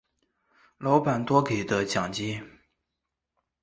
老板多给的奖金